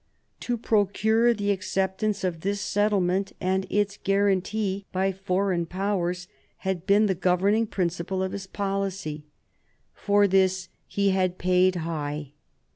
To procure the acceptance of this settlement, and its guarantee by foreign Powers, had been the governing principle of his policy. For this he had paid high.